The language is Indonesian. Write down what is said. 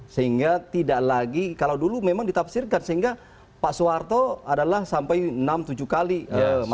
sehingga tidak lagi kalau dulu memang ditafsirkan sehingga pak soeharto adalah sampai enam tujuh kali masuk